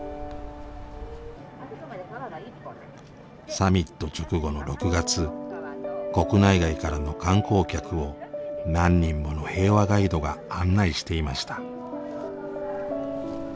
サミット直後の６月国内外からの観光客を何人もの平和ガイドが案内していました。